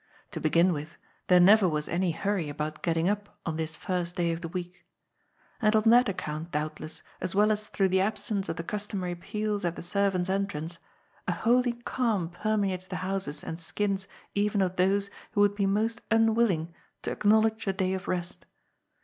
To begin with, there never was any hurry about getting up on this first day of the week. And on that account, doubtless, as well as through the absence of the customary peals at the servants' entrance, a holy calm permeates the houses and skins even of those who would be most unwilling to acknowledge a day of rest.